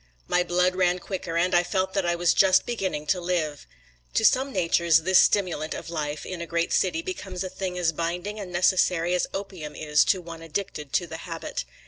My blood ran quicker and I felt that I was just beginning to live. To some natures this stimulant of life in a great city becomes a thing as binding and necessary as opium is to one addicted to the habit.